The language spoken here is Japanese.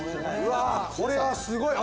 これはすごい！